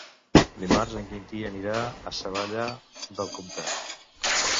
Dimarts en Quintí anirà a Savallà del Comtat.